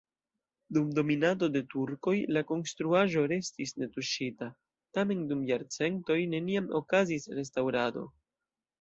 Dum dominado de turkoj la konstruaĵo restis netuŝita, tamen dum jarcentoj neniam okazis restaŭrado.